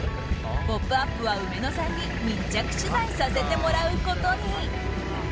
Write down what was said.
「ポップＵＰ！」はうめのさんに密着取材させてもらうことに。